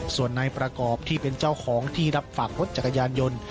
ส่วนนายประกอบที่เป็นเจ้าของที่รับฝากรถจักรยานยนต์